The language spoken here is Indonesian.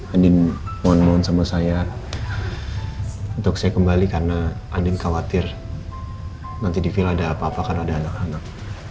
andi mohon mohon sama saya untuk saya kembali karena andin khawatir nanti di villa ada apa apa kan ada anak anak